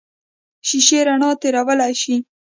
شیشې رڼا تېرولی شي.